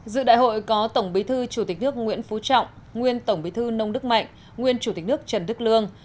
dự đại hội có tổng bí thư chủ tịch nước nguyễn phú trọng nguyên tổng bí thư nông đức mạnh nguyên chủ tịch nước trần đức lương